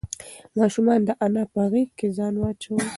ماشوم د انا په غېږ کې ځان واچاوه.